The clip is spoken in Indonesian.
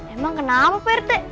emang kenapa perti